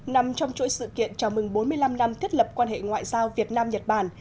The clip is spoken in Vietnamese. nằm trong chuỗi sự kiện chào mừng bốn mươi năm năm thiết lập quan hệ ngoại giao việt nam nhật bản